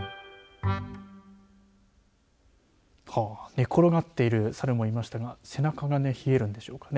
寝転がっているサルもいましたが背中が冷えるんでしょうかね。